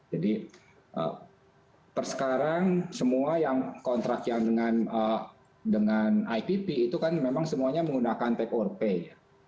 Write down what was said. jadi persekarang semua kontrak yang dengan ipp itu kan memang semuanya menggunakan take or pay